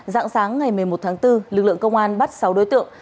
dạng sáng ngày một mươi một tháng bốn lực lượng công an bắt sáu đối tượng